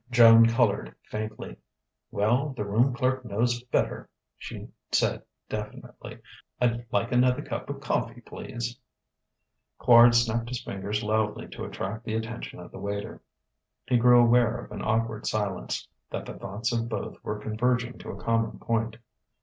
Joan coloured faintly.... "Well, the room clerk knows better," she said definitely. "I'd like another cup of coffee, please." Quard snapped his fingers loudly to attract the attention of the waiter. He grew aware of an awkward silence: that the thoughts of both were converging to a common point.